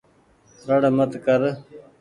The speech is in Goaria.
رڙ مت ڪر ۔